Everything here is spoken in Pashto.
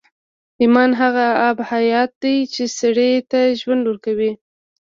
ایمان هغه آب حیات دی چې سړي ته ژوند ورکوي